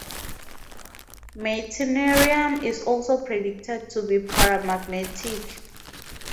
Meitnerium is also predicted to be paramagnetic.